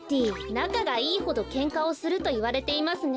なかがいいほどケンカをするといわれていますね。